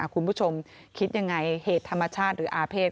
คุณผู้ชมคิดยังไงเหตุธรรมชาติหรืออาเภษ